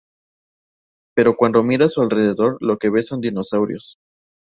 Pero cuando mira a su alrededor lo que ve son dinosaurios.